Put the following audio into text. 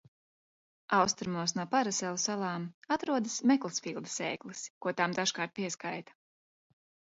Austrumos no Paraselu salām atrodas Meklsfīlda sēklis, ko tām dažkārt pieskaita.